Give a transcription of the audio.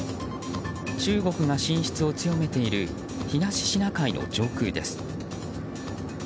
中国が進出を強めている東シナ海の上空です。